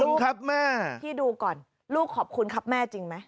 คุณครับแม่พี่ดูก่อนลูกขอบคุณครับแม่จริงไหม